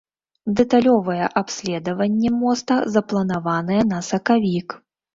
Дэталёвае абследаванне моста запланаванае на сакавік.